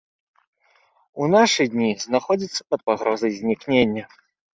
У нашы дні знаходзіцца пад пагрозай знікнення.